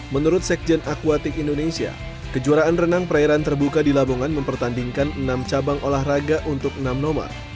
menurut sekjen akuatik indonesia kejuaraan renang perairan terbuka di lamongan mempertandingkan enam cabang olahraga untuk enam nomor